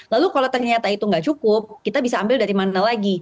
lalu kalau ternyata itu nggak cukup kita bisa ambil dari mana lagi